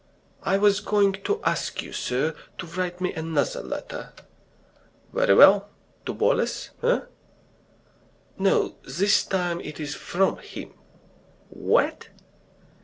"I was going to ask you, sir, to write me another letter." "Very well! To Boles, eh?" "No, this time it is from him." "Wha at?"